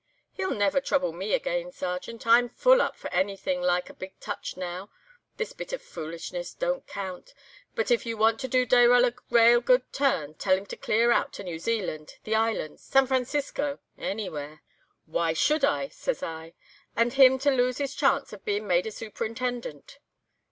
"'He'll never trouble me again, Sergeant, I'm full up of anything like a big touch now; this bit of foolishness don't count. But if you want to do Dayrell a rale good turn, tell him to clear out to New Zealand, the Islands, San Francisco—anywhere.' "'Why should I?' says I. 'And him to lose his chance of being made a Superintendent.